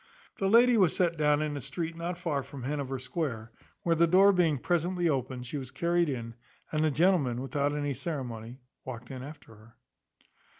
The lady was set down in a street not far from Hanover square, where the door being presently opened, she was carried in, and the gentleman, without any ceremony, walked in after her.